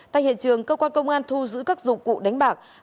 tại hiện trường cơ quan công an thu giữ các dụng cụ đánh bạc